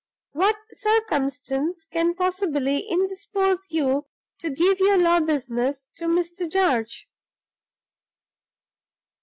"What circumstances can possibly indispose you to give your law business to Mr. Darch?"